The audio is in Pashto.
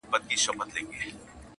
زه مي ژاړمه د تېر ژوندون کلونه!!